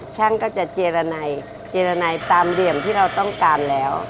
ช่างก็จะเจียรนัยเจียรนัยตามเดี่ยมที่เราต้องการแล้ว